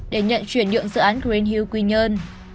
để nhận chuyển nhượng dự án greenhill quy nhơn